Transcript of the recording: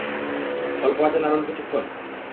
অল্প আঁচে নাড়ুন কিছুক্ষণ।